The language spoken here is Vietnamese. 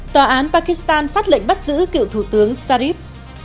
tòa án pakistan phát lệnh bắt giữ cựu thủ tướng sharif